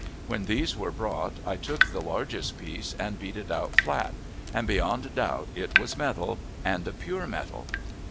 When these were brought, I took the largest piece and beat it out flat, and beyond doubt it was metal, and a pure metal.